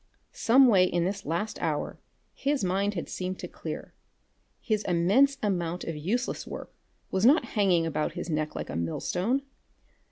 Some way in this last hour his mind had seemed to clear. His immense amount of useless work was not hanging about his neck like a millstone.